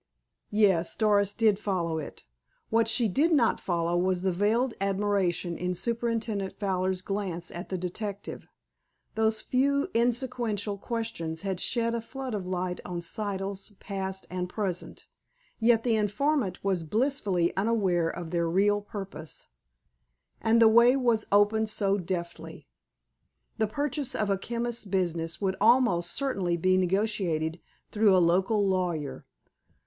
Yes, Doris did follow it. What she did not follow was the veiled admiration in Superintendent Fowler's glance at the detective. Those few inconsequential questions had shed a flood of light on Siddle's past and present, yet the informant was blissfully unaware of their real purport. And the way was opened so deftly. The purchase of a chemist's business would almost certainly be negotiated through a local lawyer.